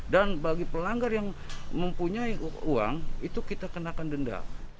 dan bagi pelanggar yang mempunyai uang itu kita kenakan denda